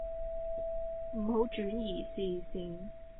唔好轉移視線